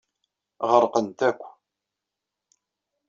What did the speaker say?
Ɣerqent akk.